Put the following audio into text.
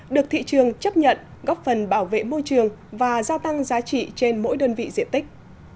được thị trường chấp nhận góp phần bảo vệ môi trường và gia tăng giá trị trên mỗi đơn vị diện tích